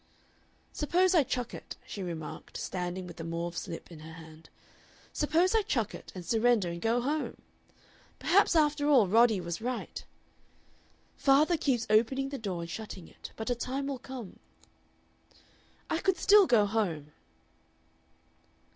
"Suppose I chuck it," she remarked, standing with the mauve slip in her hand "suppose I chuck it, and surrender and go home! Perhaps, after all, Roddy was right! "Father keeps opening the door and shutting it, but a time will come "I could still go home!"